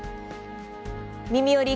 「みみより！